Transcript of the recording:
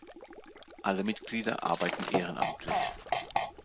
Alle Mitglieder arbeiten ehrenamtlich.